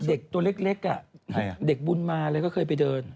เด็กตัวเล็กเด็กบุญมาเลยก็เคยไปเดิน